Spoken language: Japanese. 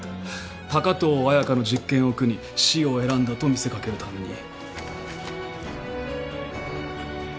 高遠綾香の実験を苦に死を選んだと見せ掛けるために。